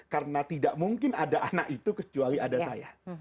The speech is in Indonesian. karena tidak mungkin ada anak itu kecuali ada saya